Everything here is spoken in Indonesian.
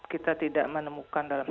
kita tidak menemukan dalam